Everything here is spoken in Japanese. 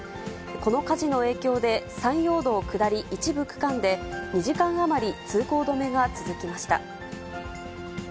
この火事の影響で、山陽道下り一部区間で、２時間余り通行止めが続きました。